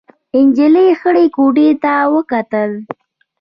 نجلۍ خړې کوټې ته وکتل.